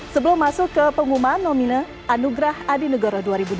sebelum masuk ke pengumuman nomine anugrah adi negoro dua ribu dua puluh